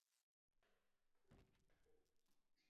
sikitishwa na uwamuzi wa mahakama kupeleka mbele